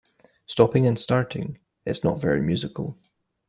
Stopping and starting, it's not very musical.